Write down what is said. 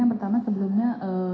yang pertama sebelumnya